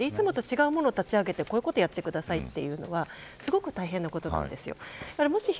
いつもと違うものを立ち上げてこういうことやってください、というのはすごく大変なことなんです。